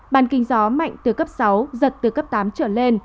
bàn kinh gió mạnh từ cấp sáu giật từ cấp tám trở lên